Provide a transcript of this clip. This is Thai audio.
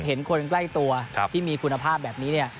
เห็นคนใกล้ตัวที่มีคุณภาพแบบนี้เนี่ย